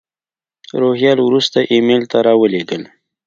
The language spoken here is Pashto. روهیال وروسته ایمیل ته را ولېږل.